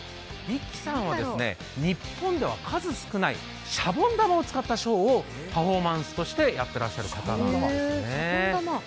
Ｉｋｋｉさんは日本では数少ないシャボン玉を使ったショーをパフォーマンスとしてやってらっしゃる方なんですね。